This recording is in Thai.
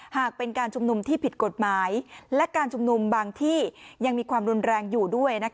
หากเป็นการชุมนุมที่ผิดกฎหมายและการชุมนุมบางที่ยังมีความรุนแรงอยู่ด้วย